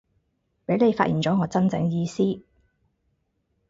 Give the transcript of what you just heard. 畀你發現咗我真正意思